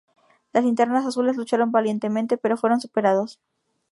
Los Linternas Azules lucharon valientemente, pero fueron superados.